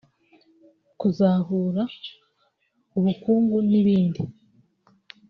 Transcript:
kuzahura ubukungu n’ibindi